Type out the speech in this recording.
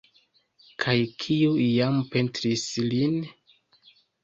Kaj kiu iam pentris ilin?